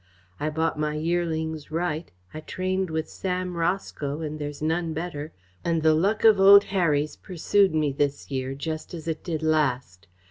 I bought my yearlings right. I trained with Sam Roscoe, and there's none better, and the luck of old Harry's pursued me this year, just as it did last.